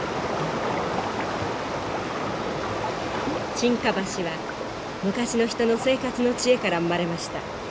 沈下橋は昔の人の生活の知恵から生まれました。